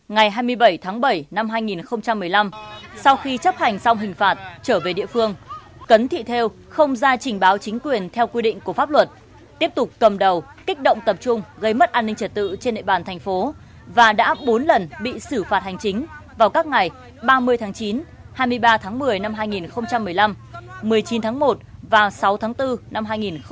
ngày hai mươi bảy tháng bảy năm hai nghìn một mươi năm sau khi chấp hành xong hình phạt trở về địa phương cấn thị thêu không ra trình báo chính quyền theo quy định của pháp luật tiếp tục cầm đầu kích động tập trung gây mất an ninh trật tự trên nệ bàn thành phố và đã bốn lần bị xử phạt hành chính vào các ngày ba mươi tháng chín hai mươi ba tháng chín năm hai nghìn một mươi năm một mươi chín tháng một và sáu tháng bốn năm hai nghìn một mươi năm